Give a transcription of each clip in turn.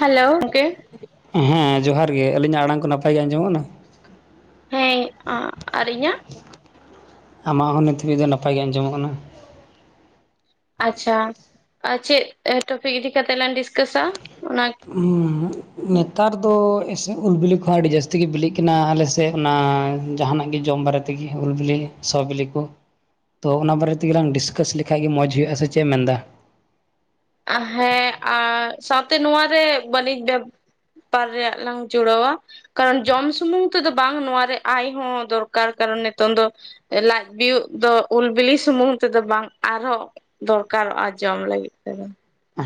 Hello ᱚᱸᱠᱮ ᱦᱮᱸ ᱡᱚᱦᱟᱨ ᱜᱮ ᱟᱹᱞᱤᱧᱟᱜ ᱟᱲᱟᱝ ᱠᱚ ᱱᱟᱯᱟᱭ ᱜᱮ ᱟᱸᱡᱚᱢᱚᱜᱼᱱᱟ ᱦᱮᱸ ᱟᱸ ᱟᱨ ᱤᱹᱧᱟᱜ ᱟᱢᱟᱜ ᱦᱚᱸ ᱱᱤᱛ ᱦᱵᱤᱡ ᱫᱚ ᱱᱟᱯᱟᱭ ᱜᱮ ᱟᱸᱡᱚᱢᱚᱜ ᱠᱟᱱᱟ ᱟᱪᱷᱟ ᱪᱮᱫ ᱴᱚᱯᱤᱠ ᱤᱫᱤ ᱠᱟᱛᱮ ᱞᱟᱝ ᱰᱤᱥᱠᱟᱥᱟ ᱚᱱᱟ ᱚᱸ ᱱᱮᱛᱟᱨ ᱫᱚ ᱮᱥ ᱩᱞ ᱵᱤᱞᱤ ᱠᱚᱦᱚᱸ ᱟᱹᱰᱤ ᱡᱟᱹᱥᱛᱤ ᱜᱮ ᱵᱤᱞᱤᱜ ᱠᱟᱱᱟ ᱟᱞᱮᱥᱮᱫ ᱚᱱᱟ ᱡᱟᱦᱟᱱᱟᱜ ᱜᱮ ᱡᱚᱢ ᱵᱟᱨᱮ ᱛᱮᱜᱮ ᱩᱞ ᱵᱤᱞᱤ ᱥᱚ ᱵᱤᱞᱤ ᱠᱚ ᱛᱳ ᱚᱱᱟ ᱵᱟᱨᱮ ᱛᱮᱜᱮ ᱞᱝ ᱰᱤᱥᱠᱟᱥ ᱞᱮᱠᱷᱟᱡ ᱜᱮ ᱢᱚᱸᱡᱽ ᱦᱩᱭᱩᱜᱼᱟᱥ ᱪᱮᱫ ᱮᱢ ᱢᱮᱱᱫᱟ? ᱟ. ᱧ ᱦᱮᱸ ᱟᱨ ᱥᱟᱶᱛᱮ ᱱᱚᱣᱟᱨᱮ ᱵᱟᱹᱱᱤᱡᱽ ᱵᱮ ᱵᱮᱯᱟᱨ ᱨᱮᱭᱟᱜ ᱞᱟᱝ ᱡᱩᱲᱟᱹᱣᱟ ᱠᱟᱨᱚᱱ ᱡᱚᱢ ᱥᱩᱢᱩᱝ ᱛᱮᱫᱚ ᱵᱟᱝ ᱱᱚᱣᱟ ᱨᱮ ᱟᱭ ᱦᱚᱸ ᱫᱚᱨᱠᱟᱨ ᱠᱟᱱᱟ ᱠᱚᱱ ᱱᱤᱛᱚᱝ ᱫᱚ ᱞᱟᱡ ᱵᱤᱭᱳᱜ ᱫᱚ ᱩᱞ ᱵᱤᱞᱤ ᱥᱩᱢᱩᱝ ᱛᱮᱫᱚ ᱵᱟᱝ ᱟᱨᱦᱚᱸ ᱫᱚᱨᱠᱟᱨ ᱟ ᱡᱚᱢ ᱞᱟᱹᱜᱤᱫ ᱛᱮᱫᱚ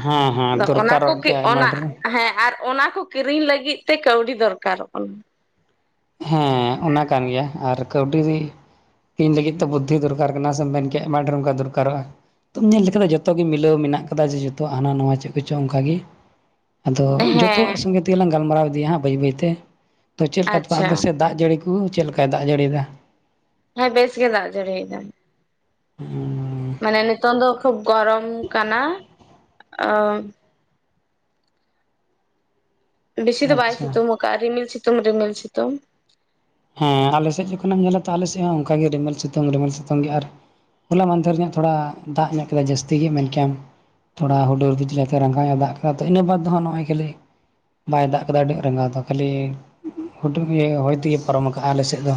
ᱦᱮᱸ ᱦᱮᱸ ᱚᱱᱟ ᱠᱚ ᱫᱚᱨᱠᱟᱨᱚᱜ ᱠᱤ ᱜᱮᱭᱟ ᱚᱱᱟ ᱟᱭᱢᱟ ᱰᱷᱮᱨ ᱦᱮᱸ ᱟᱨ ᱚᱱᱟ ᱠᱚ ᱠᱤᱨᱤᱧ ᱞᱟᱹᱜᱤᱫ ᱛᱮ ᱠᱟᱹᱣᱰᱤ ᱫᱚᱨᱠᱟᱨᱚᱜ ᱠᱟᱱᱟ ᱦᱮᱸ ᱚᱱᱟ ᱠᱟᱱ ᱜᱮᱭᱟ ᱟᱨ ᱠᱟᱹᱣᱰᱤ ᱤᱧ ᱞᱟᱹᱜᱤᱫ ᱛᱮ ᱵᱩᱫᱽᱫᱷᱤ ᱫᱚᱨᱠᱟᱨ ᱠᱟᱱᱟ ᱥᱮᱢ ᱢᱮᱱ ᱠᱮ ᱟᱭᱢᱟ ᱰᱷᱮᱨ ᱚᱱᱠᱟ ᱫᱚᱨᱠᱟᱨᱚᱜᱼᱟ ᱛᱚᱢ ᱧᱮᱞ ᱞᱮᱠᱟ ᱡᱚᱛᱚ ᱜᱮ ᱢᱤᱞᱟᱹᱣ ᱢᱮᱱᱟᱜ ᱠᱟᱫᱟ ᱡᱮ ᱡᱚᱛᱚᱣᱟᱜ ᱦᱟᱱᱟ ᱱᱚᱣᱟ ᱪᱮᱫ ᱠᱚᱪᱚᱝ ᱚᱱᱠᱟᱜᱮ ᱟᱫᱚ ᱡᱚᱛᱚᱣᱟᱜ ᱦᱮᱸ ᱥᱚᱸᱜᱮ ᱛᱮᱜᱮ ᱞᱟᱝ ᱜᱟᱞᱢᱟᱨᱟᱣ ᱤᱫᱤᱭᱟᱜ ᱵᱟᱹᱭ ᱵᱟᱹᱭᱛᱮ ᱪᱮᱫ ᱟᱪᱪᱷᱟ ᱞᱮᱠᱟ ᱫᱟᱜ ᱡᱟᱹᱲᱤ ᱠᱚ ᱩᱩᱩ ᱪᱮᱫ ᱞᱮᱠᱟᱭ ᱫᱟᱜ ᱡᱟᱹᱲᱤᱭ ᱫᱟ ᱦᱮᱸ ᱵᱮᱥ ᱜᱮ ᱫᱟᱜ ᱡᱟᱹᱲᱤᱭ ᱫᱟ ᱢᱟᱱᱮ ᱱᱤᱛᱚᱝ ᱫᱚ ᱠᱷᱩᱵ ᱜᱚᱨᱚᱢ ᱠᱟᱱᱟ ᱟᱹᱟᱹᱟᱹ ᱵᱮᱥᱤ ᱫᱚ ᱵᱟᱭ ᱟᱪᱪᱷᱟ ᱥᱤᱛᱩᱝ ᱟᱠᱟᱜ ᱟ ᱨᱤᱢᱤᱞ ᱥᱤᱛᱩᱝ ᱨᱤᱢᱤᱞ ᱥᱤᱛᱩᱝ ᱦᱮᱸ ᱟᱞᱮ ᱥᱮᱫ ᱡᱚᱠᱷᱚᱱᱮᱢ ᱧᱮᱞᱟ ᱟᱞᱮ ᱥᱮᱫ ᱦᱚᱸ ᱚᱱᱠᱟᱜᱮ ᱨᱤᱢᱤᱞ ᱥᱤᱛᱩᱝ ᱨᱤᱢᱤᱞ ᱥᱤᱛᱩᱝ ᱜᱮ ᱟᱨ ᱦᱚᱞᱟ ᱢᱟᱱᱫᱷᱮᱨ ᱧᱚᱜ ᱛᱷᱚᱲᱟ ᱫᱟᱜ ᱧᱚᱜ ᱠᱮᱫᱟ ᱡᱟᱹᱥᱛᱤ ᱜᱮ ᱢᱮᱱ ᱠᱮᱭᱟᱢ ᱛᱷᱚᱲᱟ ᱦᱩᱰᱩᱨ ᱵᱤᱡᱞᱤ ᱟᱛᱮ ᱨᱟᱸᱜᱟᱣ ᱮ ᱫᱟᱜ ᱠᱮᱫᱟᱭ ᱤᱱᱟᱹ ᱵᱟᱫᱽ ᱫᱚ ᱦᱟᱸᱜ ᱱᱚᱜᱼᱚᱭ ᱠᱷᱟᱹᱞᱤ ᱵᱟᱭ ᱫᱟᱜ ᱠᱟᱫᱟ ᱟᱹᱰᱤᱸ ᱨᱟᱸᱜᱟᱣ ᱫᱚ ᱠᱷᱟᱹᱞᱤ ᱦᱩᱰᱩᱨ ᱦᱚᱭ ᱛᱮᱜᱤ ᱯᱟᱨᱚᱢ ᱠᱟᱜᱼᱟ ᱟᱞᱮ ᱥᱮᱫ ᱫᱚ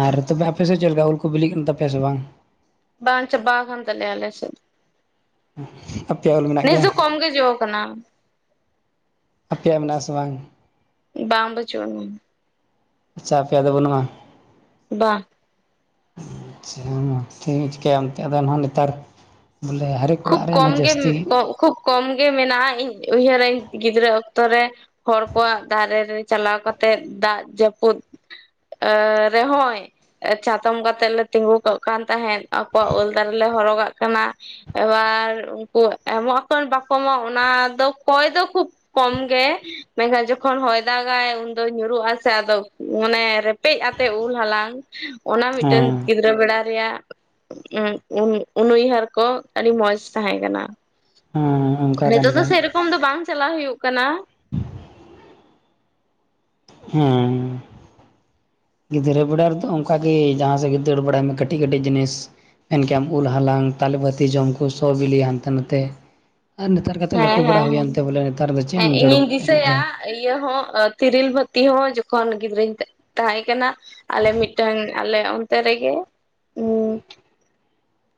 ᱟᱨ ᱛᱚᱵᱮ ᱟᱯᱮ ᱥᱮᱫ ᱪᱮᱫ ᱞᱮᱠᱟ ᱩᱞ ᱠᱚ ᱵᱤᱞᱤᱜ ᱠᱟᱱ ᱛᱟᱯᱮᱭᱟ ᱥᱮ ᱵᱟᱝ? ᱵᱟᱝ ᱪᱟᱵᱟ ᱟᱠᱟᱱ ᱛᱟᱞᱮᱭᱟ ᱟᱞᱮ ᱥᱮᱫ [inaudible] ᱢᱮᱱᱟᱜ ᱱᱮᱥ ᱜᱮᱭᱟ? ᱫᱚ ᱠᱚᱢ ᱜᱮ ᱡᱚ ᱠᱟᱱᱟ ᱟᱯᱮᱭᱟᱜ ᱢᱮᱱᱟᱜ ᱟ ᱥᱮ ᱵᱟᱝ? ᱵᱟᱝ ᱵᱟᱪᱩᱜ ᱟᱱᱤᱧ ᱟᱪᱷᱟ ᱟᱯᱮᱭᱟᱜ ᱫᱚ ᱵᱟᱹᱱᱩᱜᱼᱟ? ᱵᱟᱸᱜ ᱟᱪᱷᱟ ᱢᱟ ᱱᱚᱛᱮ ᱪᱤᱠᱟ. ᱭᱟᱢ ᱮᱸᱛᱮ ᱫᱚᱦᱟᱸ ᱱᱮᱛᱟᱨ ᱵᱚᱞᱮ ᱦᱟᱨᱮᱠ ᱠᱷᱩᱵ ᱚᱲᱟᱜ ᱨᱮ ᱚᱱᱟ ᱠᱚᱢ ᱜᱮ ᱡᱟᱹᱥᱛᱤ [inaudible] ᱠᱷᱩᱵ ᱠᱚᱢ ᱜᱮ ᱢᱮᱱᱟᱜᱼᱟ ᱤᱧ ᱩᱭᱦᱟᱹᱨᱟᱹᱧ ᱜᱤᱫᱽᱨᱟᱹ ᱚᱠᱛᱚ ᱨᱮ ᱦᱚᱲ ᱠᱚᱣᱟᱜ ᱫᱟᱨᱮ ᱨᱮ ᱪᱟᱞᱟᱣ ᱠᱟᱛᱮᱜ ᱫᱟᱜ ᱡᱟᱹᱯᱩᱫᱽ ᱮ ᱨᱮᱦᱚᱸᱭ ᱪᱟᱛᱚᱢ ᱠᱟᱛᱮᱜ ᱞᱮ ᱛᱤᱸᱜᱩ ᱠᱚᱜ ᱠᱟᱱ ᱛᱟᱦᱮᱸᱫ ᱟᱠᱚᱣᱟᱜ ᱩᱞ ᱫᱟᱨᱮ ᱦᱚᱨᱚᱜᱟᱜ ᱠᱟᱱᱟ ᱮᱵᱟᱨ ᱩᱱᱠᱩ ᱮᱢᱚᱜ ᱟᱠᱚ ᱟᱨ ᱵᱟᱠᱚ ᱮᱢᱚᱜ ᱚᱱᱟ ᱫᱚ ᱠᱚᱭ ᱫᱚ ᱠᱷᱩᱵ ᱠᱚᱢ ᱜᱮ ᱢᱮᱱᱠᱷᱟᱱ ᱡᱚᱠᱷᱚᱱ ᱦᱚᱭ ᱫᱟᱜᱟᱭ ᱩᱱᱫᱚᱭ ᱧᱩᱨᱩᱜ ᱟᱥᱮ ᱟᱫᱚ ᱢᱟᱱᱮ ᱨᱮᱯᱮᱡ ᱟᱛᱮ ᱩᱞ ᱦᱟᱞᱟᱝ ᱚᱱᱟ ᱢᱤᱫ ᱴᱮᱱ ᱦᱮᱸ ᱜᱤᱫᱽᱨᱟᱹ ᱵᱮᱲᱟ ᱨᱮᱭᱟᱜ ᱩᱸᱜ ᱩᱱᱩᱭᱦᱟᱹᱨ ᱠᱚ ᱟᱹᱰᱤ ᱢᱚᱸᱡᱽ ᱛᱟᱦᱮᱸ ᱠᱟᱱᱟ ᱦᱮᱸ ᱚᱱᱠᱟ ᱠᱟᱱ ᱱᱤᱛᱚᱜ ᱫᱚ ᱜᱮᱭᱟ ᱥᱮᱨᱚᱠᱚᱢ ᱫᱚ ᱵᱟᱝ ᱪᱟᱞᱟᱣ ᱦᱩᱭᱩᱜ ᱠᱟᱱᱟ [inaudible] ᱦᱸᱻ ᱜᱤᱫᱽᱨᱟᱹ ᱵᱮᱲᱟ ᱨᱮᱫᱚ ᱚᱱᱠᱟᱜᱮ ᱡᱟᱦᱟᱸ ᱥᱮᱫ ᱜᱮ ᱫᱟᱹᱲ ᱵᱟᱲᱟᱭ ᱢᱮ ᱠᱟᱹᱴᱤᱡ ᱠᱟᱹᱴᱤᱡ ᱡᱤᱱᱤᱥ ᱢᱮᱱᱠᱮᱭᱟᱢ ᱩᱞ ᱦᱟᱞᱟᱝ ᱛᱟᱞᱮ ᱵᱟᱹᱛᱤ ᱡᱚᱢ ᱠᱚ ᱥᱚ ᱵᱤᱞᱤ ᱦᱟᱱᱛᱮ ᱱᱷᱟᱛᱮ ᱟᱨ ᱱᱮᱛᱟᱨ ᱠᱟᱛᱮ ᱦᱮᱸ ᱞᱟᱹᱴᱩ ᱦᱮᱸ ᱵᱟᱲᱟ ᱦᱮᱸ ᱦᱩᱭᱮᱱᱛᱮ ᱵᱚᱞᱮ ᱱᱮᱛᱟᱨ ᱫᱚ ᱪᱮᱫ ᱦᱮᱸ ᱮᱢ ᱫᱟᱹᱲ ᱤᱧᱤᱧ ᱵᱟᱲᱟᱭᱟ ᱩᱱᱟᱹᱜ ᱫᱚ ᱫᱤᱥᱟᱹᱭᱟ ᱤᱭᱟᱹ ᱦᱚᱸ ᱛᱤᱨᱤᱞ ᱵᱟᱹᱛᱤ ᱦᱚᱸ ᱡᱚᱠᱷᱚᱱ ᱜᱤᱫᱽᱨᱟᱹᱧ ᱛᱟᱦᱮᱸ ᱠᱟᱱᱟ ᱟᱞᱮ ᱢᱤᱫᱴᱮᱱ ᱟᱞᱮ ᱚᱱᱛᱮ ᱨᱮᱜᱮ ᱦᱸᱻ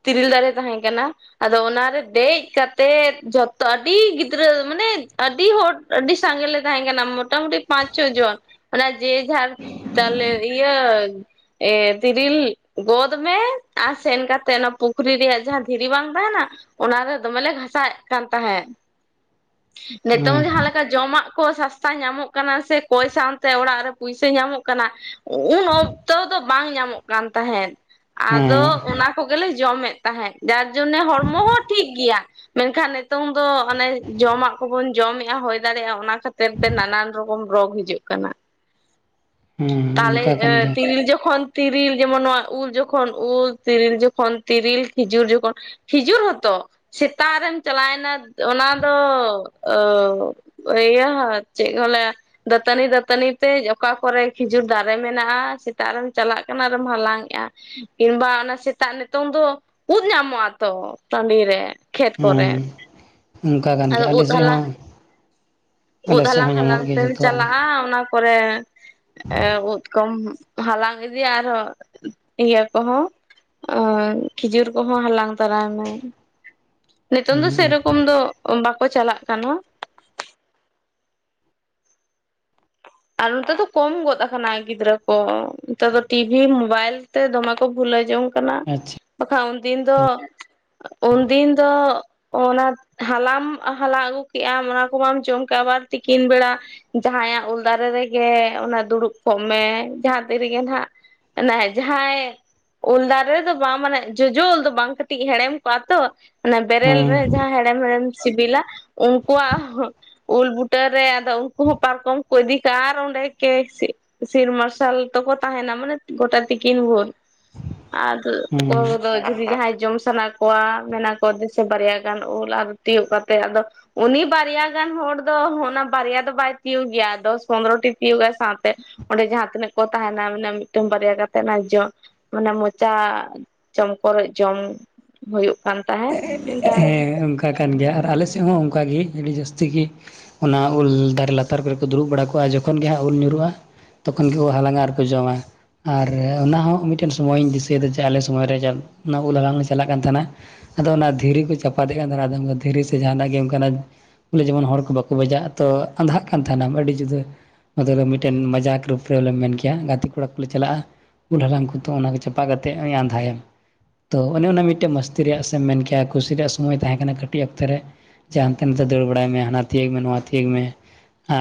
ᱛᱤᱨᱤᱞ ᱫᱟᱨᱮ ᱛᱟᱦᱮᱸ ᱠᱟᱱᱟ ᱟᱫᱚ ᱚᱱᱟᱨᱮ ᱫᱮᱡ ᱠᱟᱛᱮᱫ ᱡᱚᱛ ᱟᱰᱤ ᱜᱤᱫᱽᱨᱟᱹ ᱢᱟᱱᱮ ᱟᱹᱰᱤ ᱦᱚᱲ ᱟᱹᱰᱤ ᱥᱟᱸᱜᱮ ᱞᱮ ᱛᱟᱦᱮᱸ ᱠᱟᱱᱟ ᱢᱚᱴᱟᱢᱩᱴᱤ ᱯᱟᱸᱪ ᱪᱷᱚ ᱡᱚᱱ [inaudible] ᱤᱭᱟᱹ ᱮᱻ ᱛᱤᱨᱤᱞ ᱜᱚᱫ ᱢᱮ ᱟᱨ ᱥᱮᱱ ᱠᱟᱛᱮ ᱛᱮ ᱚᱱᱟ ᱯᱩᱠᱷᱨᱤ ᱨᱮᱭᱟᱜ ᱡᱟᱦᱟᱸ ᱫᱷᱤᱨᱤ ᱵᱟᱝ ᱛᱟᱦᱮᱱᱟ ᱚᱱᱟᱨᱮ ᱫᱚᱢᱮᱞᱮ ᱜᱷᱟᱥᱟᱣᱮᱫ ᱠᱟᱱ ᱛᱟᱦᱮᱸᱫ ᱦᱮᱸ ᱱᱤᱛᱚᱝ ᱡᱟᱦᱟᱸᱞᱮᱠᱟ ᱡᱚᱢᱟᱜ ᱠᱚ ᱥᱟᱥᱛᱟ ᱧᱟᱢᱚᱜ ᱠᱟᱱᱟ ᱥᱮ ᱠᱚᱭ ᱥᱟᱶᱛᱮ ᱚᱲᱟᱜ ᱨᱮ ᱯᱩᱭᱥᱟᱹ ᱧᱟᱢᱚᱜ ᱠᱟᱱᱟ ᱩᱱ ᱚᱠᱛᱚ ᱫᱚ ᱵᱟᱝ ᱧᱟᱢᱚᱜ ᱠᱟᱱ ᱛᱟᱦᱮᱸᱫ ᱦᱮᱸ ᱟᱫᱚ ᱚᱱᱟ ᱠᱚᱜᱮᱞᱮ ᱡᱚᱢᱮᱫ ᱛᱟᱦᱮᱸᱫ ᱡᱟᱨ ᱡᱚᱱᱱᱮ ᱦᱚᱲᱢᱚ ᱦᱚᱸ ᱴᱷᱤᱠ ᱜᱮᱭᱟ᱾ ᱢᱮᱱᱠᱷᱟᱱ ᱱᱤᱛᱚᱝ ᱫᱚ ᱚᱱᱮ ᱡᱚᱢᱟᱜ ᱠᱚᱵᱚᱱ ᱡᱚᱢᱮᱫᱼᱟ ᱦᱩᱭ ᱫᱟᱲᱮᱭᱟᱜᱼᱟ ᱚᱱᱟ᱾ ᱠᱷᱟᱹᱛᱤᱨ ᱛᱮ ᱱᱟᱱᱟᱱ ᱨᱚᱠᱚᱢ ᱨᱳᱜᱽ ᱦᱤᱡᱩᱜ ᱠᱟᱱᱟ᱾ ᱦᱮᱸ ᱚᱱᱠᱟ ᱛᱟᱦᱚᱞᱮ ᱠᱟᱱ ᱮ ᱜᱮᱭᱟ ᱛᱤᱱ ᱡᱚᱠᱷᱚᱱ ᱛᱤᱨᱤᱞ ᱡᱮᱢᱚᱱ ᱱᱚᱣᱟ ᱩᱞ ᱡᱚᱠᱷᱚᱱ ᱩᱞ ᱛᱤᱨᱤᱞ ᱡᱚᱠᱷ ᱠᱷᱚᱱ ᱛᱤᱨᱤᱞ ᱠᱷᱤᱡᱩᱨ ᱡᱚᱠᱷᱚᱱ ᱠᱷᱤᱡᱩᱨ ᱦᱚᱛᱚ ᱥᱮᱛᱟᱜ ᱨᱮᱢ ᱪᱟᱞᱟᱣᱮᱱᱟ ᱚᱱᱟ ᱫᱚ [unintelligible] ᱤᱭᱟᱹ ᱪᱮᱫ ᱠᱚ ᱞᱟᱹᱭᱟ ᱫᱟᱹᱛᱟᱹᱱᱤ ᱫᱟᱹᱛᱟᱹᱱᱤ ᱛᱮ ᱚᱠᱟ ᱠᱚᱨᱮ [unintelligible] ᱠᱷᱤᱡᱩᱨ ᱫᱟᱨᱮ ᱢᱮᱱᱟᱜᱼᱟ ᱥᱮᱛᱟᱜ ᱨᱮᱢ ᱪᱟᱞᱟᱜ ᱠᱟᱱᱟ ᱟᱨᱢ ᱦᱟᱞᱟᱝ ᱮᱼᱟ ᱠᱤᱢᱵᱟ ᱚᱱᱟ ᱥᱮ ᱛᱟᱜ ᱱᱤᱛᱚᱝ ᱫᱚ ᱩᱫ ᱧᱟᱢᱚᱜ ᱟ ᱛᱚ ᱴᱟᱺᱰᱤ ᱨᱮ ᱠᱷᱮᱛ ᱦᱮᱸ ᱠᱚᱨᱮ ᱚᱱᱠᱟ ᱠᱟᱱ ᱟᱫᱚ ᱜᱮᱭᱟ ᱟᱞᱮ ᱩᱫ ᱥᱮᱫ ᱦᱟᱞᱟᱝ ᱦᱚᱸ ᱩᱫ ᱟᱞᱮ ᱥᱮᱫ ᱦᱟᱞᱟᱝ ᱦᱚᱸ ᱦᱟᱞᱟᱝ ᱧᱟᱢᱚᱜ ᱜᱮᱭᱟ ᱛᱮᱢ ᱡᱚᱛᱚᱣᱟᱜ ᱜᱮ ᱪᱟᱞᱟᱜᱼᱟ ᱚᱱᱟ ᱯᱚᱨᱮ ᱮᱸ ᱩᱫ ᱠᱚᱢ ᱦᱟᱞᱟᱝ ᱤᱫᱤᱭᱟ ᱟᱨᱦᱚᱸ ᱤᱭᱟᱹ ᱠᱚᱦᱚᱸ [unintelligible] ᱠᱷᱤᱡᱩᱨ ᱠᱚᱦᱚᱸ ᱦᱟᱞᱟᱝ ᱛᱟᱨᱟᱭ ᱢᱮ᱾ ᱱᱤᱛᱚᱝ ᱫᱚ ᱦᱮᱸ ᱥᱮᱨᱚᱠᱚᱢ ᱫᱚ ᱵᱟᱠᱚ ᱪᱟᱞᱟᱜ ᱠᱟᱱᱟ᱾ ᱟᱨ ᱱᱚᱛᱮ ᱫᱚ ᱠᱚᱢ ᱜᱚᱫ ᱟᱠᱟᱱᱟ ᱜᱤᱫᱽᱨᱟᱹ ᱠᱚ ᱱᱮᱛᱟᱨ ᱫᱚ ᱴᱤᱵᱷᱤ ᱢᱵᱟᱭᱤᱞ ᱛᱮ ᱫᱚᱢᱮ ᱠᱚ ᱵᱷᱩᱞᱟ ᱡᱚᱝ ᱠᱟᱱᱟ ᱟᱪᱪᱷᱟ ᱵᱟᱠᱷᱟᱱ ᱩᱱᱫᱤᱱ ᱫᱚ ᱩᱱᱫᱤᱱ ᱫᱚ ᱚᱱᱟ ᱦᱟᱞᱟᱢ ᱦᱟᱞᱟᱝ ᱟᱹᱜᱩ ᱠᱮᱜᱼᱟ ᱚᱱᱟ ᱠᱚ ᱵᱟᱢ ᱡᱚᱢ ᱠᱟᱜ ᱟᱵᱟᱨ ᱛᱤᱠᱤᱱ ᱵᱮᱲᱟ ᱡᱟᱦᱟᱸᱭᱟᱜ ᱩᱞ ᱫᱟᱨᱮ ᱨᱮᱜᱮ ᱚᱱᱟ ᱫᱩᱲᱩᱵ ᱠᱚᱜ ᱢᱮ ᱡᱟᱦᱟᱸ ᱛᱤᱱ ᱨᱮᱜᱮ ᱦᱟᱸᱜ ᱚᱱᱮ ᱡᱟᱦᱟᱸᱭ ᱩᱞ ᱫᱟᱨᱮ ᱨᱮᱫᱚ ᱵᱟᱝ ᱢᱟᱱᱮ ᱡᱚᱡᱚ ᱩᱞ ᱫᱚ ᱵᱟᱝ ᱠᱟᱹᱴᱤᱡ ᱦᱮᱲᱮᱢ ᱠᱚᱜᱼᱟ ᱛᱚ᱾ ᱚᱱᱟ ᱵᱮᱨᱮᱞ ᱦᱮᱸ ᱨᱮ ᱡᱟᱦᱟᱸ ᱦᱮᱲᱮᱢ ᱦᱮᱲᱮᱢ ᱥᱤᱵᱤᱞᱟ ᱩᱱᱠᱩᱣᱟᱜ ᱩᱞ ᱵᱩᱴᱟᱹᱨ ᱨᱮ ᱟᱫᱚ ᱩᱱᱠᱩ ᱦᱚᱸ ᱯᱟᱨᱠᱚᱢ ᱠᱚᱭᱫᱤᱠᱟ ᱟᱨ ᱚᱸᱰᱮ ᱠᱮ ᱥᱤᱨ ᱢᱟᱨᱥᱟᱞ ᱛᱚᱠᱚ ᱛᱟᱦᱮᱱᱟ ᱢᱟᱱᱮ ᱜᱚᱴᱟ ᱛᱮᱠᱤᱱ ᱵᱷᱳᱨ᱾ ᱟᱫᱚ ᱠᱚ ᱦᱩᱸ ᱡᱩᱫᱤ ᱡᱟᱦᱟᱸᱭ ᱡᱚᱢ ᱥᱟᱱᱟ ᱠᱚᱣᱟ ᱢᱮᱱᱟ ᱠᱚ ᱫᱮᱥᱮ ᱵᱟᱨᱭᱟ ᱜᱟᱱ ᱩᱞ ᱟᱨ ᱛᱤᱭᱳᱜ ᱠᱟᱛᱮ ᱟᱫᱚ ᱩᱱᱤ ᱵᱟᱨᱭᱟ ᱜᱟᱱ ᱦᱚᱲ ᱫᱚ ᱚᱱᱟ ᱵᱟᱨᱭᱟ ᱫᱚ ᱵᱟᱭ ᱛᱤᱭᱳᱜ ᱜᱮᱭᱟ᱾ ᱫᱚᱥ ᱯᱚᱱᱨᱚᱚᱴᱤ ᱛᱤᱭᱳᱜᱜᱟ ᱥᱟᱶᱛᱮ ᱚᱸᱰᱮ ᱡᱟᱦᱟᱸ ᱛᱤᱱᱟᱹᱜ ᱠᱚ ᱛᱟᱦᱮᱱᱟ ᱢᱮᱱᱮ ᱢᱤᱫᱴᱮᱱ ᱵᱟᱨᱭᱟ ᱠᱟᱛᱮ ᱚᱱᱟ ᱡᱚ ᱡᱚᱢ ᱢᱟᱱᱮ ᱢᱚᱪᱟ ᱪᱚᱢ ᱠᱚᱨᱚᱪ ᱡᱚᱢ ᱦᱩᱭᱩᱜ ᱠᱟᱱ ᱛᱟᱦᱮᱸᱱ᱾ ᱦᱮᱸ ᱚᱱᱠᱟ ᱠᱟᱱ ᱜᱮᱭᱟ ᱟᱨ ᱟᱞᱮ ᱥᱮᱫ ᱛᱮᱫ ᱦᱚᱸ ᱚᱱᱠᱟᱜᱮ ᱟᱹᱰᱤ ᱡᱟᱹᱥᱛᱤ ᱜᱮ ᱚᱱᱟ ᱩᱞ ᱫᱟᱨᱮ ᱞᱟᱛᱟᱨ ᱠᱚᱨᱮ ᱠᱚ ᱫᱩᱲᱩᱵ ᱵᱟᱲᱟ ᱠᱚᱜᱼᱟ ᱡᱚᱠᱷᱚᱱ ᱜᱮ ᱦᱟᱸᱜ ᱩᱞ ᱧᱩᱨᱦᱩᱜᱼᱟ ᱛᱚᱠᱷᱚᱱ ᱜᱮ ᱦᱟᱞᱟᱝᱜᱟ ᱟᱨ ᱠᱚ ᱡᱚᱢᱟ᱾ ᱟᱨ ᱚᱱᱟ ᱦᱚᱸ ᱢᱤᱫᱴᱮᱱ ᱥᱚᱢᱚᱭᱤᱧ ᱫᱤᱥᱟᱹᱭᱮᱫᱟ ᱡᱮ ᱟᱞᱮ ᱥᱚᱢᱚᱭ ᱨᱮ ᱩᱞ ᱞᱟᱜ ᱞᱮ ᱪᱟᱞᱟᱜ ᱠᱟᱱ ᱛᱟᱦᱮᱱᱟ ᱟᱫᱚ ᱚᱱᱟ ᱫᱷᱤᱼᱼ ᱫᱷᱤᱨᱤ ᱠᱚ ᱪᱟᱯᱟᱫᱮᱜ ᱠᱟᱱ ᱛᱟᱦᱮᱱᱟ ᱟᱫᱚ ᱫᱷᱤᱨᱤ ᱥᱮ ᱡᱟᱦᱱᱟᱜ ᱜᱮ ᱚᱱᱠᱟᱱᱟᱜ ᱵᱚᱞᱮ ᱡᱮᱢᱚᱱ ᱦᱚᱲ ᱠᱚ ᱵᱟᱠᱚ ᱵᱟᱡᱟᱜᱼᱟ ᱛᱚ ᱟᱫᱷᱟᱜ ᱠᱟᱱ ᱛᱟᱦᱮᱱᱟᱢ ᱟᱹᱰᱤ ᱡᱩᱫᱟᱹ ᱟᱫᱚ ᱞᱮ ᱢᱤᱫᱴᱮᱱ ᱢᱟᱡᱟᱠ ᱨᱩᱯ ᱨᱮᱞᱮᱢ ᱵᱚᱞᱮ ᱢᱮᱱ ᱠᱮᱭᱟ ᱜᱟᱛᱮ ᱠᱚᱲᱟ ᱠᱚᱞᱮ ᱪᱟᱞᱟᱜᱼᱟ᱾ ᱩᱞᱦᱟᱲᱝ ᱠᱚᱛᱚ ᱚᱱᱟ ᱪᱟᱯᱟᱛᱮᱫ ᱟᱸᱫᱟᱭᱮᱢ᱾ ᱛᱚ ᱚᱱᱮ ᱚᱱᱟ ᱢᱤᱫᱴᱮᱱ ᱢᱥᱛᱤ ᱨᱮᱭᱟᱜ ᱥᱮ ᱮᱢ ᱢᱮᱱ ᱠᱮᱭᱟ ᱠᱩᱥᱤ ᱨᱮᱭᱟᱜ ᱥᱚᱢᱚᱭ ᱛᱟᱦᱮᱸ ᱠᱟᱱᱟ ᱠᱟᱹᱴᱤᱡ ᱚᱠᱛᱮ ᱨᱮ᱾ ᱡᱟ ᱦᱟᱸᱱᱛᱮ ᱱᱟᱛᱮ ᱫᱟᱹᱲ ᱵᱟᱲᱟᱭ ᱢᱮ ᱦᱟᱱᱟ ᱛᱤᱭᱟᱹᱜ ᱢᱮ ᱱᱚᱣᱟ ᱛᱤᱭᱟᱹᱜ ᱢᱮ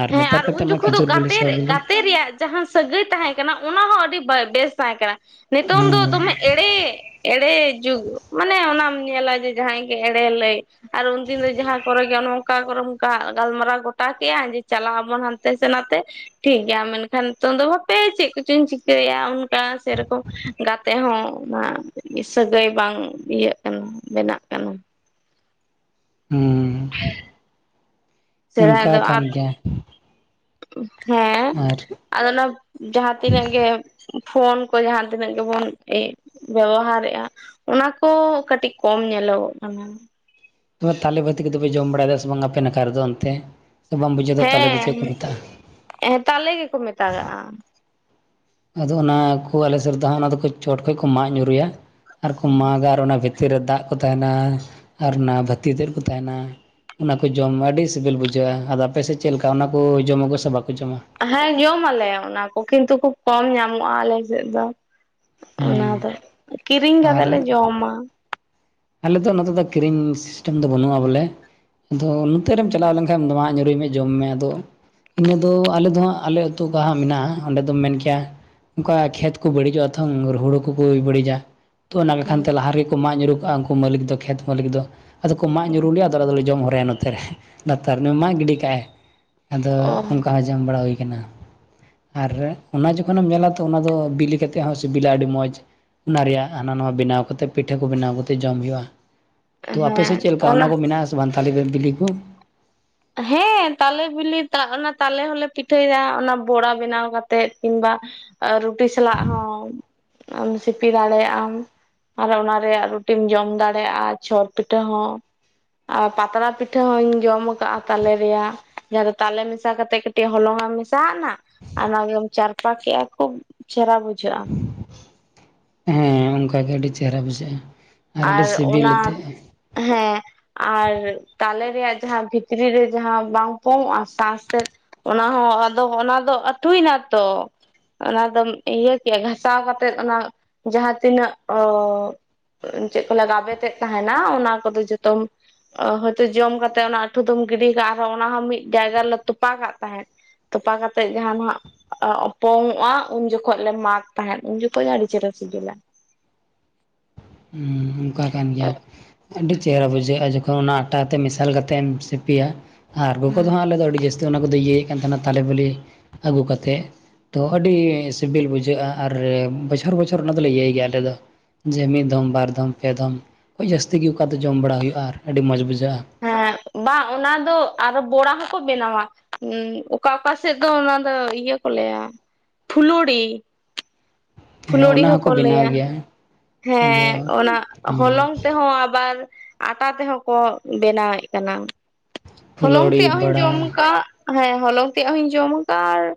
ᱦᱮᱸ ᱱᱮᱛᱟᱨ ᱟᱨ ᱠᱟᱛᱮᱫ ᱩᱱ ᱢᱟ ᱡᱚᱠᱷᱚᱱ ᱫᱚ ᱠᱷᱤᱡᱩᱨ ᱵᱤᱞᱤ ᱜᱟᱛᱮ ᱥᱚ ᱵᱤᱞᱤ ᱜᱟᱛᱮ ᱨᱮᱭᱟᱜ ᱡᱟᱦᱟᱸ ᱥᱟᱹᱜᱟᱹᱭ ᱛᱟᱦᱮᱸ ᱠᱟᱱᱟ ᱚᱱᱟ ᱦᱚᱸ ᱟᱹᱰᱤ ᱵᱟᱭ ᱵᱮᱥ ᱛᱟᱦᱮᱸ ᱠᱟᱱᱟ ᱱᱤᱛᱚᱝ ᱫᱚ ᱫᱚᱢᱮ ᱦᱮᱸ ᱮᱲᱮ ᱮᱲᱮ ᱡᱩᱜᱽ ᱢᱟᱱᱮ ᱚᱱᱟᱢ ᱧᱮᱞᱟᱭ ᱡᱮ ᱡᱟᱦᱟᱸᱭ ᱜᱮ ᱮᱲᱮ ᱞᱟᱹᱭ ᱟᱨ ᱩᱱᱫᱤᱱ ᱫᱚ ᱡᱟᱦᱟᱸ ᱠᱚᱨᱮ ᱜᱮ ᱚᱱ ᱚᱱᱠᱟ ᱠᱚᱨᱮᱚᱱ ᱜᱟᱞᱢᱟᱨᱟᱣ ᱜᱚᱴᱟ ᱠᱮᱭᱟ ᱡᱮ [unintelligible] ᱪᱟᱞᱟ ᱟᱵᱚᱱ ᱦᱟᱱᱛᱮ ᱥᱮ ᱱᱟᱛᱮ ᱴᱷᱤᱠ ᱜᱮᱭᱟ ᱢᱮᱱᱠᱷᱟᱱ ᱱᱤᱛᱚᱝ ᱫᱚ ᱵᱟᱦᱟᱯᱮ ᱪᱮᱫ ᱠᱚᱪᱚᱧ ᱪᱤᱠᱟᱹᱭᱮᱫᱼᱟ ᱚᱱᱠᱟ ᱥᱮᱨᱚᱠᱚᱢ ᱜᱟᱛᱮ ᱦᱚᱸ [unintelligible] ᱥᱟᱹᱜᱟᱹᱭ ᱵᱟᱝ ᱤᱭᱟᱹᱜ ᱠᱟᱱᱟ ᱵᱮᱱᱟᱜ ᱠᱟᱱᱟ ᱦᱮᱸ ᱦᱮᱸ ᱥᱮᱫᱟᱭ ᱚᱱᱠᱟ ᱫᱚ ᱠᱟᱱ ᱟᱨ ᱜᱮᱭᱟ ᱦᱮᱸ ᱟᱨ ᱟᱫᱚ ᱚᱱᱟ ᱡᱟᱦᱟᱸ ᱛᱤᱱᱟᱹᱜ ᱜᱮ ᱯᱷᱳᱱ ᱠᱚ ᱡᱟᱦᱟᱸ ᱛᱤᱱᱟᱹᱜ ᱜᱮᱵᱚᱱ ᱵᱮᱵᱚᱦᱟᱨᱮᱫᱼᱟ ᱚᱱᱟ ᱠᱚ ᱠᱟᱹᱴᱤᱡ ᱠᱚᱢ ᱧᱮᱞ ᱧᱮᱞᱚᱜᱚᱜ ᱠᱟᱱᱟ ᱱᱚ ᱛᱟᱞᱮ ᱵᱟᱹᱛᱤ ᱠᱚᱫᱚᱯᱮ ᱡᱚᱢ ᱵᱟᱲᱟᱭᱮᱫᱟ ᱥᱮ ᱵᱟᱝᱟ ᱯᱮ ᱱᱟᱠᱷᱟ ᱨᱮᱫᱚ ᱚᱱᱛᱮ ᱥᱮ ᱵᱟᱢ ᱵᱩᱡᱷᱟᱹᱣᱫᱟ ᱛᱟᱞᱮ ᱫᱚ ᱪᱮᱫ ᱠᱚ ᱦᱮᱸ ᱢᱮᱛᱟᱜᱼᱟ ᱦᱮᱸ ᱛᱟᱞᱮ ᱜᱮᱠᱚ ᱢᱮᱛᱟᱜᱟᱜᱼᱟ ᱟᱫᱚ ᱚᱱᱟ ᱠᱩ ᱟᱞᱮ ᱥᱮᱫ ᱫᱚ ᱦᱟᱸᱜ ᱚᱱᱟ ᱫᱚ ᱪᱚᱴ ᱠᱷᱚᱱᱚᱡ ᱠᱚ ᱢᱟᱜ ᱧᱩᱨᱩᱭᱟ ᱟᱨᱠᱚ ᱢᱟᱜᱟ ᱟᱨ ᱚᱱᱟ ᱵᱷᱤᱛᱤᱨ ᱛᱤ ᱨᱮ ᱫᱟᱜ ᱠᱚ ᱛᱟᱦᱮᱱᱟ ᱟᱨ ᱚᱱᱟ ᱵᱷᱟᱹᱛᱤ ᱛᱮᱫ ᱠᱚ ᱛᱟᱦᱮᱱᱟ ᱚᱱᱟ ᱠᱚ ᱡᱚᱢ ᱟᱹᱰᱤ ᱥᱤᱵᱤᱞ ᱵᱩᱡᱷᱟᱹᱜᱼᱟ ᱟᱫᱚ ᱟᱯᱮᱥᱮᱫ ᱪᱮᱫᱞᱮᱠᱟ ᱚᱱᱟ ᱠᱚ ᱡᱚᱢᱟ ᱠᱚ ᱥᱮ ᱵᱟᱠᱚ ᱡᱚᱢᱟ ᱦᱮᱸ ᱡᱚᱢ ᱟᱞᱮ ᱚᱱᱟ ᱠᱚ ᱠᱤᱱᱛᱩ ᱠᱷᱩᱵ ᱠᱚᱢ ᱧᱟᱢᱚᱜᱼᱟ ᱟᱞᱮ ᱥᱮᱫ ᱫᱚ ᱚᱱᱟ ᱦᱮᱸ ᱫᱚ ᱠᱤᱨᱤᱧ ᱟᱨ ᱠᱟᱛᱮᱜ ᱞᱮ ᱡᱚᱢᱟ ᱟᱞᱮ ᱫᱚ ᱱᱚᱛᱮ ᱫᱚ ᱠᱤᱨᱤᱧ ᱥᱤᱥᱴᱮᱢ ᱫᱚ ᱵᱟᱹᱱᱩᱜᱼᱟ ᱵᱚᱞᱮ ᱟᱫᱚ ᱱᱚᱛᱮ ᱨᱮᱢ ᱪᱟᱞᱟᱣ ᱞᱮᱱᱠᱷᱟᱱ ᱫᱚᱢᱟᱜ ᱧᱩᱨᱩᱭ ᱢᱮ ᱡᱚᱢ ᱢᱮ ᱟᱫᱚ ᱤᱱᱟᱹ ᱫᱚ ᱟᱞᱮ ᱫᱚ ᱦᱟᱸᱜ ᱟᱞᱮ ᱟᱹᱛᱩ ᱦᱟᱸᱜ ᱢᱮᱱᱟᱜᱼᱟ ᱚᱸᱰᱮ ᱫᱚᱢ ᱢᱮᱱ ᱠᱮᱭᱟ ᱚᱱᱠᱟ ᱠᱷᱮᱛ ᱠᱚ ᱵᱟᱹᱲᱤᱡᱚᱜᱼᱟ ᱛᱷᱚᱝ ᱦᱩᱲᱩ ᱠᱚᱠᱚ ᱵᱟᱹᱲᱤᱡᱪᱟ ᱛᱚ ᱚᱱᱟ ᱠᱚᱠᱷᱟᱱ ᱦᱮᱸ ᱛᱮ ᱞᱟᱦᱟ ᱨᱮᱜᱮ ᱢᱟᱜ ᱧᱩᱨᱩᱨᱩ ᱠᱟᱜᱼᱟ ᱩᱱᱠᱩ ᱢᱟᱹᱞᱤᱠ ᱫᱚ ᱠᱷᱮᱛ ᱢᱟᱹᱞᱤᱠ ᱫᱚ ᱟᱫᱚ ᱠᱚ ᱢᱟᱜ ᱧᱩᱨᱩ ᱞᱮᱭᱟ ᱟᱫᱚ ᱟᱞ ᱫᱚ ᱡᱚᱢ ᱦᱚᱼᱟ ᱱᱚᱛᱮ ᱨᱮ ᱞᱟᱛᱟᱨ ᱢᱟ ᱜᱤᱰᱤ ᱠᱟᱜ ᱟᱭ ᱟᱫᱚ ᱚ ᱚᱱᱠᱟ ᱦᱚᱸ ᱡᱚᱢ ᱵᱟᱲᱟ ᱦᱩᱭ ᱟᱨ ᱚᱱᱟ ᱡᱚᱠᱷᱚᱱᱮᱢ ᱧᱮᱞᱟ ᱛᱚ ᱚᱱᱟ ᱫᱚ ᱵᱤᱞᱤ ᱠᱟᱛᱮ ᱦᱚᱸ ᱥᱤᱵᱤᱞᱟ ᱟᱹᱰᱤ ᱢᱚᱡᱽ ᱚᱱᱟ ᱨᱮᱭᱟᱜ ᱦᱟᱱᱟ ᱱᱚᱣᱟ ᱵᱮᱱᱟᱣ ᱠᱟᱛᱮ ᱯᱤᱴᱷᱟᱹ ᱠᱚ ᱵᱮᱱᱟᱣ ᱠᱟᱛᱮ ᱡᱚᱢ ᱦᱩᱭᱩᱜᱼᱟ ᱛᱳ ᱟᱯᱮ ᱥᱮᱫ ᱪᱮᱫ ᱞᱮᱠᱟ ᱚᱱᱟ ᱠᱚ ᱢᱮᱱᱟᱜᱼᱟ ᱛᱟᱞᱤ ᱵᱤᱞᱤ ᱠᱚ ᱦᱮᱸ ᱛᱟᱞᱮ ᱵᱤᱞᱤ ᱚᱱᱟ ᱛᱟᱞᱮ ᱦᱚᱞᱮ ᱯᱤᱴᱷᱟᱹᱭᱭᱟ ᱚᱱᱟ ᱵᱚᱲᱟ ᱵᱮᱱᱟᱣ ᱠᱟᱛᱮᱜ ᱠᱤᱝᱵᱟ ᱨᱩᱴᱤ ᱥᱟᱞᱟᱜ ᱦᱚᱸ ᱥᱤᱯᱤ ᱫᱟᱲᱮᱭᱟᱜ ᱟᱢ ᱟᱨ ᱚᱱᱟ ᱨᱮᱭᱟᱜ ᱨᱩᱴᱤᱢ ᱡᱚᱢ ᱫᱟᱲᱮᱭᱟᱜᱼᱟ ᱪᱷᱚᱨ ᱯᱤᱴᱷᱟᱹ ᱦᱚᱸ ᱟᱨ ᱯᱟᱛᱲᱟ ᱯᱤᱴᱷᱟᱹ ᱦᱚᱧ ᱡᱚᱢ ᱟᱠᱟᱫᱼᱟ ᱛᱟᱞᱮ ᱨᱮᱭᱟᱜ ᱡᱟᱦᱟᱸ ᱫᱚ ᱛᱟᱞᱮ ᱢᱮᱥᱟ ᱠᱟᱛᱮᱜ ᱠᱟᱹᱴᱤᱡ ᱦᱚᱞᱚᱝ ᱮᱢ ᱢᱮᱥᱟᱣ ᱱᱟ ᱚᱱᱟᱜᱮᱢ ᱪᱟᱨᱯᱟ ᱠᱮᱫᱮᱜᱼᱟ ᱠᱷᱩᱵ ᱪᱮᱦᱮᱨᱟ ᱵᱩᱡᱷᱟᱹᱜᱼᱟ ᱦᱮᱸ ᱚᱱᱠᱟᱜᱮ ᱟᱹᱰᱤ ᱪᱮᱦᱮᱨᱟ ᱵᱩᱡᱷᱟᱹᱜᱼᱟ ᱟᱹᱰᱤ ᱟᱨ ᱥᱤᱵᱤᱞ ᱚᱱᱟ ᱟᱛᱮᱫ ᱦᱮᱸ ᱟᱨ ᱛᱟᱞᱮ ᱨᱮᱭᱟᱜ ᱡᱟᱦᱟᱸ ᱵᱷᱤᱛᱨᱤ ᱨᱮ ᱡᱟᱦᱟᱸ ᱵᱟᱝ ᱯᱚᱝᱚᱜᱼᱟ ᱥᱟ ᱥᱮᱫ ᱚᱱᱟ ᱦᱚᱸ ᱟᱫᱚ ᱚᱱᱟ ᱫᱚ ᱟᱹᱛᱩᱭᱮᱱᱟ ᱛᱚ ᱚᱱᱟᱫᱚᱢ ᱤᱭᱟᱹ ᱠᱮᱜᱼᱟ ᱜᱷᱟᱥᱟᱣ ᱠᱟᱛᱮᱜ ᱚᱱᱟ ᱡᱟᱦᱟᱸ ᱛᱤᱱᱟᱹᱜ ᱚ ᱪᱮᱫ ᱠᱚ ᱞᱮ ᱜᱟᱵᱮᱫ ᱛᱮᱫ ᱛᱟᱦᱮᱱᱟ ᱚᱱᱟ ᱠᱚᱫᱚ ᱡᱚᱛᱚᱢ ᱦᱳᱭᱛᱳ ᱡᱚᱢ ᱠᱟᱛᱮᱜ ᱚᱱᱟ ᱟᱹᱷᱩ ᱫᱚᱢ ᱜᱤᱰᱤ ᱠᱟᱜ-ᱟ ᱟᱨ ᱚᱱᱟᱦᱚᱸ ᱢᱤᱫ ᱡᱟᱭᱜᱟ ᱨᱮᱞᱮ ᱛᱚᱯᱟ ᱠᱟᱜ ᱛᱟᱦᱮᱸᱫ ᱛᱚᱯᱟ ᱠᱟᱛᱮᱜ ᱡᱟᱦᱟᱸ ᱟᱱᱟᱦᱸᱟᱜ ᱯᱚᱝ ᱚᱜᱼᱟ ᱩᱱ ᱡᱚᱠᱷᱚᱱ ᱞᱮ ᱢᱟᱜᱽ ᱛᱟᱦᱮᱱ ᱩᱱ ᱡᱚᱠᱷᱚᱡ ᱦᱚ ᱟᱹᱰᱤ ᱪᱮᱦᱮᱨᱟ ᱥᱤᱵᱤᱞᱟ ᱦᱮᱸ ᱚᱱᱠᱟ ᱠᱟᱱ ᱜᱮᱭᱟ ᱟᱹᱰᱤ ᱪᱮᱦᱮᱨᱟ ᱵᱩᱡᱷᱟᱹᱜᱼᱟ ᱡᱚᱠᱷᱚᱱ ᱛ ᱚᱱᱟ ᱟᱴᱟ ᱛᱮ ᱢᱮᱥᱟᱞ ᱠᱟᱛᱮ ᱮᱢ ᱥᱤᱯᱤᱭᱟ ᱟᱨ ᱜᱚᱜᱚ ᱦᱩᱸ ᱫᱚ ᱦᱟᱸᱜ ᱟᱞᱮ ᱫᱚ ᱟᱹᱰᱤ ᱡᱟᱹᱥᱛᱤ ᱚᱱᱟ ᱠᱚ ᱤᱭᱟᱹᱭᱟ ᱛᱟᱦᱮᱱᱟ ᱛᱟᱞᱮ ᱵᱤᱞᱤ ᱟᱹᱜᱩ ᱠᱟᱛᱮᱫ ᱛᱚ ᱟᱹᱰᱤ ᱥᱤᱵᱤᱞ ᱵᱩᱡᱷᱟᱹᱜᱼᱟ ᱟᱨ ᱵᱚᱪᱷᱚᱨ ᱵᱚᱪᱷᱚᱨ ᱚᱱᱟ ᱫᱚᱞᱮ ᱤᱭᱟᱹᱭ ᱜᱮᱭᱟ ᱟᱞᱮ ᱫᱚ ᱡᱮ ᱢᱤᱫ ᱫᱚᱢ ᱵᱟᱨ ᱫᱚᱢ ᱯᱮ ᱫᱚᱢ ᱡᱟᱹᱥᱛᱤ ᱜᱮ ᱚᱠᱟ ᱫᱚ ᱡᱚᱢ ᱵᱟᱲᱟ ᱦᱩᱭᱩᱜᱼᱟ ᱟᱹᱰᱤ ᱢᱚᱡᱽ ᱵᱩᱡᱷᱟᱹᱜᱼᱟ ᱦᱮᱸ ᱵᱟᱝ ᱚᱱᱟ ᱫᱚ ᱟᱨᱦᱚ ᱵᱚᱲᱟ ᱦᱚᱸ ᱠᱚ ᱵᱮᱱᱟᱣᱟ ᱚᱠᱟ ᱚᱠᱟ ᱥᱮᱫ ᱫᱚ ᱚᱱᱟ ᱫᱚ ᱤᱭᱟᱹ ᱠᱚ ᱞᱟᱹᱭᱟ ᱯᱷᱩᱞᱩᱲᱤ ᱦᱮᱸ ᱯᱷᱩᱞᱩᱲᱤ ᱚᱱᱟ ᱦᱚᱸᱠᱚ ᱦᱚᱠᱚ ᱵᱮᱱᱟᱣ ᱞᱟᱹᱭᱟ ᱜᱮᱭᱟ ᱟᱫᱚ ᱦᱮᱸ ᱚᱱᱟ ᱦᱮᱸ ᱦᱚᱞᱚᱝ ᱛᱮᱦᱚᱸ ᱟᱵᱟᱨ ᱟᱴᱟ ᱛᱮᱦᱚᱸ ᱠᱚ ᱵᱮᱱᱟᱣᱮᱫ ᱠᱟᱱᱟ ᱦᱚᱞᱚᱝ ᱯᱷᱩᱞᱳᱲᱤ ᱛᱮᱭᱟᱜ ᱦᱚᱧ ᱡᱚᱢ ᱵᱟᱲᱟ ᱟᱠᱟᱫ ᱦᱮᱸ ᱦᱚᱞᱚᱝ ᱛᱮᱭᱟᱜ ᱦᱚᱧ ᱡᱚᱢ ᱟᱠᱟᱟᱜᱼᱟ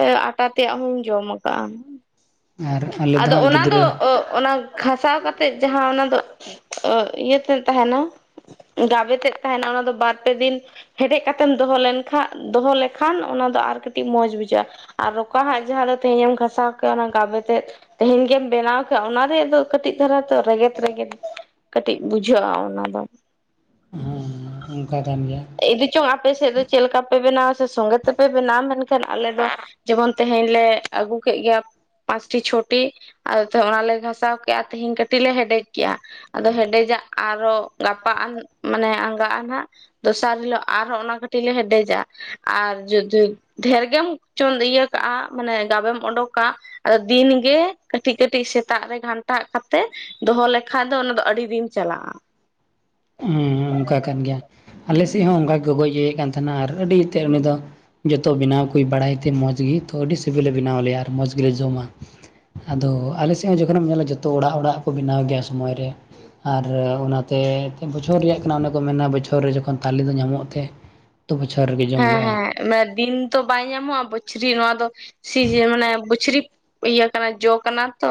ᱟᱨ ᱟᱴᱟ ᱛᱮᱭᱟᱜ ᱦᱚᱧ ᱡᱚᱢ ᱟᱠᱟᱜᱼᱟ ᱟᱨ ᱟᱞᱮ ᱫᱚ ᱟᱫᱚ ᱦᱟᱸᱜ ᱚᱱᱟ ᱫᱚ ᱜᱤᱫᱽᱨᱟᱹ ᱚᱱᱟ ᱜᱷᱟᱥᱟᱣ ᱠᱟᱛᱮ ᱡᱟᱦᱟᱸ ᱚᱱᱟ ᱫᱚ ᱚ ᱤᱭᱟᱹ ᱛᱮᱫ ᱛᱟᱦᱮᱱᱟ ᱜᱟᱵᱮᱛᱮᱫ ᱛᱟᱦᱮᱱᱟ ᱚᱱᱟ ᱫᱚ ᱵᱟᱨᱯᱮ ᱫᱤᱱ ᱦᱮᱰᱮᱡ ᱠᱟᱛᱮᱢ ᱫᱚᱦᱚ ᱞᱮᱱᱠᱷᱟᱱ ᱫᱚᱦᱚ ᱞᱮᱠᱷᱟᱱ ᱚᱱᱟ ᱟᱨ ᱠᱟᱹᱴᱤᱡ ᱢᱚᱸᱡᱽ ᱵᱩᱡᱷᱟᱹᱜᱼᱟ ᱟᱨ ᱨᱚᱠᱟ ᱦᱟᱜᱜ ᱡᱟᱦᱟᱸ ᱫᱚ ᱛᱮᱦᱮᱧᱮ ᱮᱢ ᱜᱷᱟᱥᱟᱣ ᱠᱟᱜ-ᱟ ᱚᱱᱟ ᱜᱟᱵᱮ ᱛᱮᱦᱮᱧ ᱜᱮᱢ ᱵᱮᱱᱟᱣ ᱠᱟᱜ ᱚᱱᱟ ᱨᱮᱭᱟᱜ ᱫᱚ ᱠᱟᱹᱴᱤᱡ ᱫᱷᱟᱨᱟ ᱛᱚ ᱨᱮᱸᱜᱮᱛ ᱨᱮᱸᱜᱮᱛ ᱠᱟᱹᱴᱤᱡ ᱵᱩᱡᱷᱟᱹᱜᱼᱟ ᱚᱱᱟ ᱫᱚ ᱚᱱᱠᱟ ᱠᱟᱱ ᱜᱮᱭᱟ ᱮᱫᱮᱪᱚᱝ ᱟᱯᱮ ᱥᱮᱫ ᱫᱚ ᱪᱮᱫᱞᱮᱠᱟ ᱯᱮ ᱵᱮᱱᱟᱣᱟ ᱥᱚᱝᱜᱮ ᱛᱮᱯᱮ ᱵᱮᱱᱟᱣᱟ ᱢᱮᱱᱠᱷᱟᱱ ᱟᱞᱮ ᱫᱚ ᱡᱮᱢᱚᱱ ᱛᱮᱦᱮᱧ ᱞᱮ ᱟᱹᱜᱩ ᱠᱮᱫ ᱜᱮ ᱯᱟᱸᱪᱴᱤ ᱪᱷᱚᱴᱤ ᱟᱫᱚ ᱚᱱᱟᱞᱮ ᱜᱷᱟᱥᱟᱣ ᱠᱮᱜᱼᱟ ᱛᱮᱦᱮᱧ ᱠᱟᱹᱴᱤᱡ ᱞᱮ ᱦᱮᱰᱮᱡ ᱠᱮᱜᱼᱟ ᱟᱫᱚ ᱦᱮᱰᱮᱡᱟᱜ ᱟᱨᱚ ᱜᱟᱯᱟᱼᱟᱱ ᱢᱟᱱᱮ ᱟᱸᱜᱟᱜᱼᱟ ᱱᱟᱦᱟᱜ ᱫᱚᱥᱟᱨ ᱦᱤᱞᱳ ᱟᱨᱦᱚᱸ ᱚᱱᱟ ᱠᱟᱹᱴᱤᱡ ᱞᱮ ᱦᱮᱰᱮᱡᱟ ᱟᱨ ᱡᱩᱫᱤ ᱰᱷᱮᱨ ᱜᱮᱢ ᱪᱚᱱ ᱤᱭᱟᱹ ᱠᱟᱜᱼᱟ ᱢᱟᱱᱮ ᱜᱟᱵᱮᱢ ᱚᱰᱳᱠᱟ ᱟᱫᱚ ᱫᱤᱱ ᱜᱮ ᱠᱟᱹᱴᱤᱡ ᱠᱟᱹᱴᱤᱡ ᱥᱮᱛᱟᱜ ᱨᱮ ᱜᱷᱟᱱᱴᱟᱜ ᱠᱟᱛᱮ ᱫᱚᱦᱚ ᱞᱮᱠᱷᱟᱡ ᱫᱚ ᱚᱱᱟ ᱫᱚ ᱟᱹᱰᱤ ᱫᱤᱱ ᱪᱟᱞᱟᱜᱼᱟ ᱞᱟᱜ ᱟ ᱦᱮᱸ ᱚᱱᱠᱟ ᱠᱟᱱ ᱜᱮᱭᱟ ᱟᱞᱮ ᱥᱮᱫ ᱦᱚᱸ ᱚᱱᱠᱟ ᱜᱚᱡ ᱤᱭᱟᱹᱮᱫ ᱠᱟᱱ ᱛᱟᱦᱮᱱᱟ ᱟᱨ ᱟᱹᱰᱤ ᱩᱛᱟᱹᱨ ᱩᱱᱤ ᱫᱚ ᱡᱚᱛᱚ ᱵᱮᱱᱟᱣ ᱠᱚ ᱵᱟᱲᱟᱭ ᱛᱮ ᱢᱚᱸᱡᱽ ᱜᱮ ᱛᱚ ᱟᱹᱰᱤ ᱥᱤᱵᱤᱞᱮ ᱵᱮᱱᱟᱣ ᱟᱞᱭᱟ ᱟᱨ ᱢᱚᱸᱡᱽ ᱜᱮᱞᱮ ᱡᱚᱢᱟ ᱟᱫᱚ ᱟᱞᱮ ᱥᱮᱫ ᱦᱚᱸ ᱡᱚᱠᱷᱚᱱᱮᱢ ᱧᱮᱞᱟ ᱡᱚᱛᱚ ᱚᱲᱟᱜ ᱚᱲᱟᱜ ᱠᱚ ᱵᱮᱱᱟᱣ ᱜᱮᱭᱟ ᱥᱚᱢᱚᱭ ᱨᱮ ᱟᱨ ᱚᱱᱟᱛᱮ ᱵᱚᱪᱷᱚᱨ ᱨᱮᱭᱟᱜ ᱠᱟᱱᱟ ᱠᱚ ᱢᱮᱱᱟ ᱵᱚᱪᱷᱚᱨ ᱨᱮ ᱡᱚᱠᱷᱚᱱ ᱛᱟᱞᱮ ᱫᱚ ᱧᱟᱢᱚᱜ ᱛᱮ ᱛᱚ ᱵᱚᱪᱷᱚᱨ ᱨᱮᱜᱮ ᱡᱚᱢ ᱦᱩᱭᱩᱜᱼᱟ ᱦᱮᱸ ᱦᱮᱸ ᱫᱤᱱ ᱛᱚ ᱵᱟᱭ ᱧᱟᱢᱚᱜᱼᱟ ᱵᱚᱪᱷᱨᱤ ᱱᱚᱣᱟ ᱫᱚ ᱥᱤᱡᱮ ᱢᱟᱱᱮ ᱵᱚᱪᱷᱨᱤ ᱤᱭᱟᱹ ᱠᱟᱱᱟ ᱡᱚ ᱠᱟᱱᱟ ᱛᱚ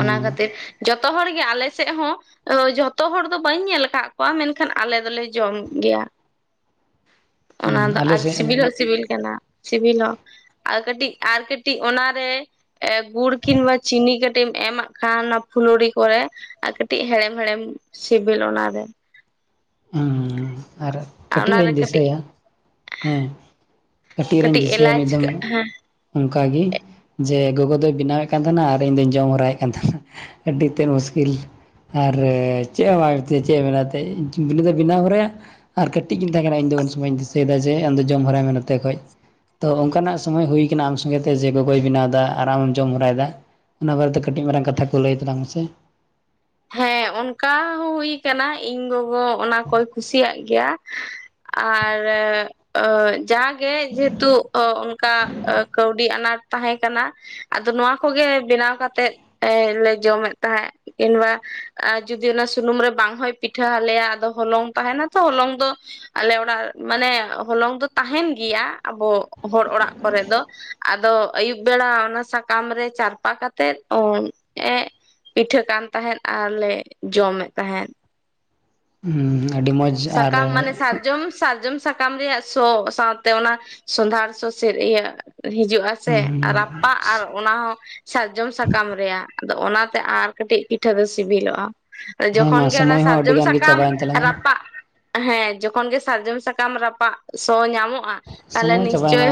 ᱚᱱᱟ ᱠᱷᱟᱹᱛᱤᱨ ᱡᱚᱛᱚ ᱡᱚᱛᱚ ᱦᱚᱲ ᱜᱮ ᱟᱞᱮ ᱥᱮᱫ ᱦᱚᱸ ᱡᱷᱚᱛᱚ ᱦᱚᱲ ᱫᱚ ᱵᱟᱹᱧ ᱧᱮᱞ ᱟᱠᱟᱫ ᱠᱚᱣᱟ ᱢᱮᱱᱠᱷᱟᱱ ᱟᱞᱮ ᱫᱚᱞᱮ ᱡᱚᱢ ᱜᱮᱭᱟ ᱚᱱᱟ ᱫᱚ ᱟᱞᱮ ᱟᱨ ᱥᱮᱫ ᱥᱤᱵᱤᱞ ᱦᱚᱸ ᱥᱤᱵᱤᱞ ᱠᱟᱱᱟ ᱥᱤᱵᱤᱞ ᱦᱚᱸ ᱟᱨ ᱠᱟᱹᱴᱤᱡ ᱟᱨ ᱠᱟᱹᱴᱤᱡ ᱚᱱᱟᱨᱮ ᱜᱩᱲ ᱠᱤᱢᱵᱟ ᱪᱤᱱᱤ ᱠᱟᱹᱴᱤᱡ ᱠᱟᱹᱴᱤᱡ ᱮᱢᱟᱜ ᱠᱷᱟᱱ ᱚᱱᱟ ᱯᱷᱩᱞᱳᱲᱤ ᱠᱚᱨᱮ ᱟᱨ ᱠᱟᱹᱴᱤᱡ ᱦᱮᱲᱮᱢ ᱦᱮᱲᱮᱢ ᱥᱤᱵᱤᱞ ᱚᱱᱟᱨᱮ ᱦᱮᱸ ᱟᱨ ᱠᱟᱹᱴᱤᱡ ᱦᱚᱧ ᱚᱱᱟᱨᱮ ᱠᱟᱹᱴᱤᱡ ᱫᱤᱥᱟᱹᱭᱟ ᱦᱮᱸ ᱠᱟᱹᱴᱤᱡ ᱨᱤᱧ ᱫᱤᱥᱟᱹᱭᱟ ᱮᱞᱟᱪ ᱢᱤᱫ ᱫᱚᱢ ᱦᱮᱸ ᱚᱱᱠᱟᱜᱮ ᱡᱮ ᱜᱚᱜᱚ ᱫᱚᱭ ᱵᱮᱱᱟᱣᱮᱫ ᱠᱟᱱ ᱛᱟᱦᱮᱱᱟ ᱟᱨ ᱤᱧ ᱫᱚᱧ ᱡᱚᱢ ᱦᱚᱨᱟᱭᱮᱫ ᱠᱟᱱ ᱛᱟᱦᱮᱸᱱᱟ ᱟᱹᱰᱤ ᱛᱮᱫ ᱢᱩᱥᱠᱤᱞ ᱟᱨ ᱪᱮᱫ ᱮᱢ ᱪᱮᱫ ᱮ ᱢᱮᱱᱟ ᱛᱮ ᱵᱮᱱᱟᱣ ᱦᱚᱨᱟ ᱟᱨ ᱠᱟᱹᱴᱤᱡᱤᱧ ᱛᱟᱦᱮᱸ ᱠᱟᱱᱟ ᱤᱧ ᱩᱱ ᱥᱚᱢᱚᱭ ᱤᱧ ᱫᱤᱥᱟᱹᱭ ᱫᱟ ᱡᱮ ᱡᱮ ᱟᱢᱫᱚ ᱡᱚᱢ ᱦᱚᱨᱟᱭ ᱢᱮ ᱱᱚᱛᱮ ᱠᱷᱚᱡ ᱛᱚ ᱚᱱᱠᱟᱱᱟᱜ ᱥᱚᱢᱚᱭ ᱦᱩᱭ ᱠᱟᱱᱟ ᱟᱢ ᱥᱚᱸᱜᱮᱛᱮ ᱜᱚᱜᱚᱭ ᱵᱮᱱᱟᱣ ᱫᱟ ᱟᱨ ᱟᱢᱮᱢ ᱡᱚᱢ ᱦᱚᱨᱟᱭᱫᱟ ᱚᱱᱟ ᱵᱟᱨᱮᱛᱮ ᱠᱟᱹᱴᱤᱡ ᱢᱟᱨᱟᱝ ᱠᱟᱛᱷᱟ ᱠᱚ ᱞᱟᱹᱭ ᱛᱟᱞᱟᱝ ᱢᱮᱥᱮ ᱦᱮᱸ ᱚᱱᱠᱟ ᱦᱚᱸ ᱦᱩᱭ ᱠᱟᱱᱟ ᱤᱧ ᱜᱚᱜᱚ ᱚᱱᱟ ᱠᱚᱭ ᱠᱩᱥᱤᱭᱟᱜ ᱜᱮᱭᱟ ᱟᱨ ᱡᱟᱜᱮ ᱡᱮᱦᱮᱛᱩ ᱚᱱᱠᱟ ᱠᱟᱹᱣᱰᱤ ᱟᱱᱟᱴ ᱛᱟᱦᱮᱸ ᱠᱟᱱᱟ ᱟᱫᱚ ᱱᱚᱣᱟ ᱠᱚᱜᱮ ᱵᱮᱱᱟᱣ ᱠᱟᱛᱮᱮᱫ ᱞᱮ ᱡᱚᱢᱮᱫ ᱛᱟᱦᱮᱸᱜ ᱠᱤᱝᱵᱟ ᱟᱨ ᱡᱩᱫᱤ ᱚᱱᱟ ᱥᱩᱱᱩᱢ ᱨᱮ ᱵᱟᱝ ᱦᱚᱭ ᱯᱤᱴᱷᱟᱹ ᱟᱞᱮᱭᱟ ᱟᱫᱚ ᱦᱚᱞᱚᱝ ᱛᱟᱦᱮᱱᱟ ᱛᱚ ᱦᱚᱞᱚᱝ ᱫᱚ ᱟᱞᱮ ᱚᱲᱟᱜ ᱢᱟᱱᱮ ᱦᱚᱞᱚᱝ ᱫᱚ ᱛᱟᱦᱮᱱ ᱜᱮᱭᱟ ᱟᱵᱚ ᱦᱚᱲ ᱚᱲᱟᱜ ᱠᱚᱨᱮ ᱫᱚ ᱟᱫᱚ ᱟᱭᱩᱵ ᱵᱮᱲᱟ ᱚᱱᱟ ᱥᱟᱠᱟᱢ ᱨᱮ ᱪᱟᱨᱯᱟ ᱠᱟᱛᱮᱜ ᱮ ᱯᱤᱴᱷᱟᱹ ᱠᱟᱱ ᱛᱟᱦᱮᱸᱫ ᱟᱨᱞᱮ ᱡᱚᱢᱮᱫ ᱛᱟᱦᱮᱸᱫ ᱦᱩᱸ ᱥᱟᱠᱟᱢ ᱢᱟᱱᱮ ᱥᱟᱨᱡᱚᱢ ᱥᱟᱨᱡᱚᱢ ᱥᱟᱠᱟᱢ ᱨᱮᱭᱟᱜ ᱥᱚ ᱥᱟᱶᱛᱮ ᱚᱱᱟ ᱥᱚᱸᱫᱷᱟᱲ ᱥᱚ ᱥᱮ ᱤᱭᱟᱹ ᱦᱤᱡᱩᱜ ᱟ ᱥᱮ ᱨᱟᱯᱟᱜ ᱟᱨ ᱚᱱᱟ ᱦᱚᱸ ᱥᱟᱨᱡᱚᱢ ᱥᱟᱠᱟᱢ ᱨᱮᱭᱟᱜ ᱟᱫᱚ ᱚᱱᱟᱛᱮ ᱟᱨ ᱠᱟᱹᱴᱤᱡ ᱯᱤᱴᱷᱟᱹ ᱫᱚ ᱥᱤᱵᱤᱞᱚᱜᱼᱟ ᱦᱮᱸ ᱡᱚᱠᱷᱚᱱ ᱢᱟ ᱜᱮ ᱚᱱᱟ ᱥᱚᱢᱚᱭ ᱦᱚᱸ ᱟᱹᱰᱤ ᱥᱟᱨᱡᱚᱢ ᱜᱟᱱ ᱜᱮ ᱥᱟᱠᱟᱢ ᱪᱟᱵᱟᱭᱮᱱ ᱛᱟᱞᱟᱝᱟ ᱨᱟᱯᱟᱜ ᱦᱮᱸ ᱡᱚᱠᱷᱚᱱ ᱜᱮᱤ ᱥᱟᱨᱡᱚᱢ ᱥᱟᱠᱟᱢ ᱨᱟᱯᱟᱜ ᱥᱚ ᱧᱟᱢᱚᱜᱼᱟ ᱛᱟᱦᱞᱮ ᱥᱚᱢᱚᱭ ᱱᱤᱥᱪᱳᱭ ᱪᱟᱵᱟᱭᱮᱱᱟ